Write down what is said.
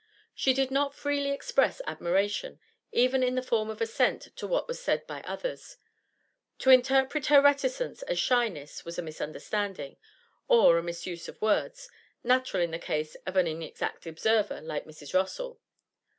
She did not freely express admiration, even in the form of assent to what was said by others. To interpret her reticence as shyness was a misunderstanding, or a misuse of words, natural in the case of an inexact observer like Mrs. Rossall.